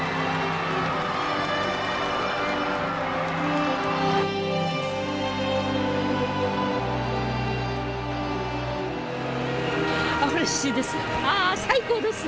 うれしいです。